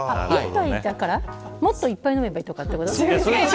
もっといっぱい飲めばいいということ。